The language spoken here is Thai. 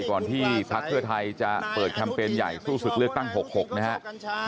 ก่อนที่พักเพื่อไทยจะเปิดแคมเปญใหญ่สู้ศึกเลือกตั้ง๖๖นะครับ